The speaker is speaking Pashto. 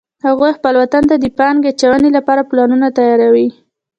هغوی خپل وطن ته د پانګې اچونې لپاره پلانونه تیار وی